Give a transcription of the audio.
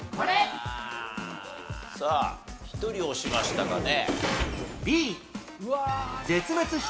さあ１人押しましたかね。